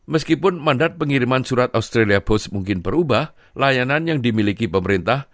meskipun mandat pengiriman surat australia post mungkin berubah layanan yang dimiliki pemerintah